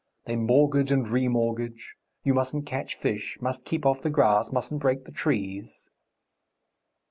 They mortgage and remortgage.... You mustn't catch fish, must keep off the grass, mustn't break the trees."